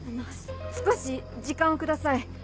少し時間をください。